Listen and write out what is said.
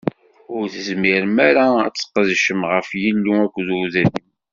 Ur tezmirem ara ad tqedcem ɣef Yillu akked udrim.